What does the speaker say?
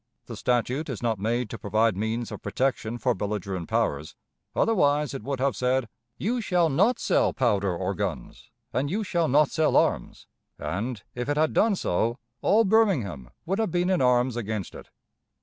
The statute is not made to provide means of protection for belligerent powers, otherwise it would have said, 'You shall not sell powder or guns, and you shall not sell arms'; and, if it had done so, all Birmingham would have been in arms against it.